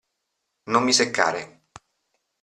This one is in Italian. Non mi seccare.